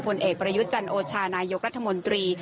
ผลเอกประยุทธ์จันโอชานายกรัฐมนตรี